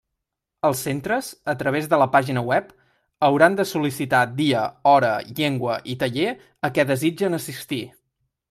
Els centres, a través de la pàgina web, hauran de sol·licitar dia, hora, llengua i taller a què desitgen assistir.